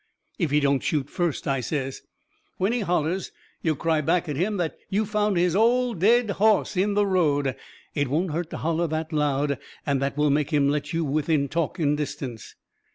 "If he don't shoot first," I says. "When he hollers, yo' cry back at him yo' have found his OLD DEAD HOSS in the road. It won't hurt to holler that loud, and that will make him let you within talking distance."